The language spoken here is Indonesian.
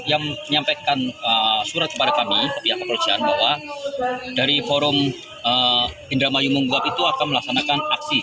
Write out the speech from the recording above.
yang menyampaikan surat kepada kami pihak keperluan bahwa dari forum indra mayung munggat itu akan melaksanakan aksi